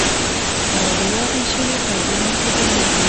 دا د یادې شوې قاعدې له مخې بدلیږي.